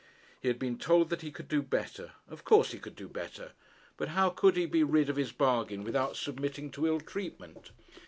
He had been told that he could do better. Of course he could do better. But how could he be rid of his bargain without submitting to ill treatment?